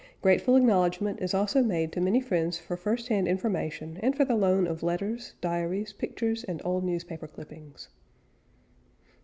Grateful acknowledgment is also made to many friends for first hand information and for the loan of letters, diaries, pictures, and old newspaper clippings.